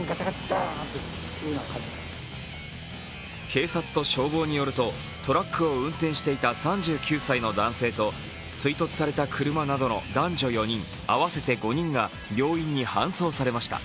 警察と消防によると、トラックを運転していた３９歳の男性と追突された車などの男女４人合わせて５人が病院に搬送されました。